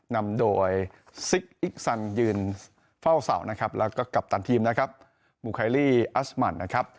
นำโดยซิกอิกซันยืนเฝ้าเสานะครับแล้วก็กัปตันทีมนะครับมูไคลี่อัสมันนะครับ